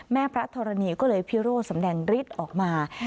แม่พระธรณีก็เลยพิโร่สำแดงฤทธิ์ออกมา